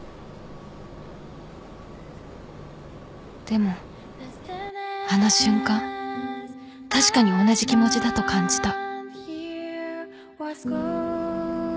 でもあの瞬間確かに同じ気持ちだと感じた